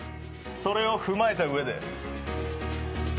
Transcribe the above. それを踏まえた上で。